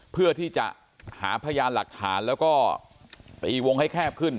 เพื่อที่จะหาพยานหลักฐานแล้วก็ตีวงให้แคบขึ้น